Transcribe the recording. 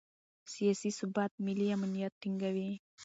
سیاسي ثبات ملي امنیت ټینګوي